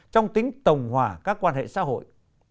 trong tính tồng hòa các quan hệ xã hội